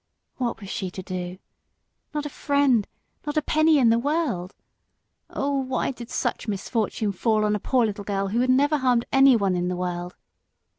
What was she to do? Not a friend, not a penny in the world. Oh, why did such misfortune fall on a poor little girl who had never harmed anyone in the world!